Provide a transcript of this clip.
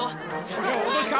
それは脅しか？